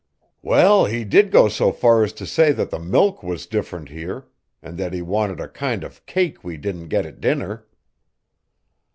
"Well, he did go so far as to say that the milk was different here, and that he wanted a kind of cake we didn't get at dinner."